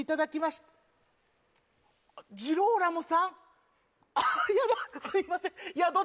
すいません。